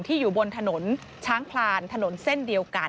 อยู่บนถนนช้างพลานถนนเส้นเดียวกัน